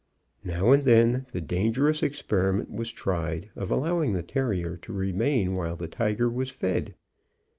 Now and then the dangerous experiment was tried of allowing the terrier to remain while the tiger was fed.